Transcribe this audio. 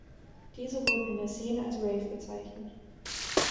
Diese wurden in der Szene als Rave bezeichnet.